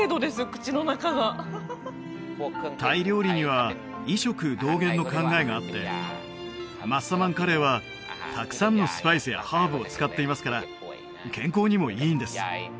口の中がタイ料理には医食同源の考えがあってマッサマンカレーはたくさんのスパイスやハーブを使っていますから健康にもいいんです